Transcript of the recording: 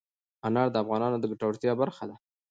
انار د افغانانو د ګټورتیا برخه ده.